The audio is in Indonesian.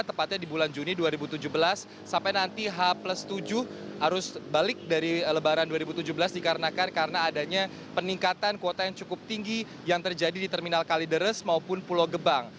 tepatnya di bulan juni dua ribu tujuh belas sampai nanti h plus tujuh arus balik dari lebaran dua ribu tujuh belas dikarenakan karena adanya peningkatan kuota yang cukup tinggi yang terjadi di terminal kalideres maupun pulau gebang